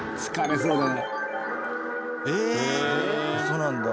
そうなんだ。